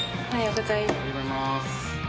おはようございます。